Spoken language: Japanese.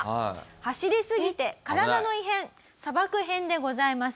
走りすぎて体の異変砂漠編でございます。